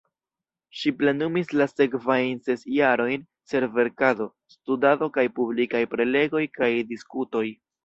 Ŝi plenumis la sekvajn ses jarojn per verkado, studado kaj publikaj prelegoj kaj diskutoj.